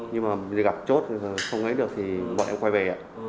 nhưng mà gặp chốt không lấy được thì bọn em quay về